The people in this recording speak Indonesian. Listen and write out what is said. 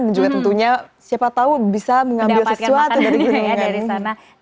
dan juga tentunya siapa tahu bisa mengambil sesuatu dari gunungan